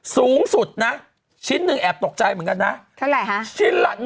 สูงสุดนะชิ้นหนึ่งแอบตกใจเหมือนกันนะเท่าไหร่ฮะชิ้นละ๑